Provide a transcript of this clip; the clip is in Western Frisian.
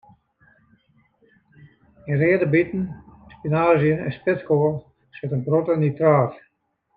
Yn reade biten, spinaazje en spitskoal sit in protte nitraat.